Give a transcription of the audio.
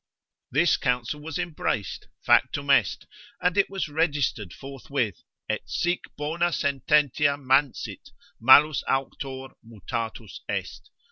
This counsel was embraced, factum est, and it was registered forthwith, Et sic bona sententia mansit, malus auctor mutatus est.